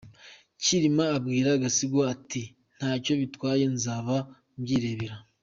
Cyilima abwira Gasigwa ati``ntacyo bitwaye nzaba mbyirebera’’.